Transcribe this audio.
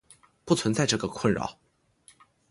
不存在这个困扰。